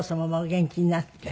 元気になって。